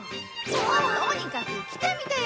とにかく来てみてよ！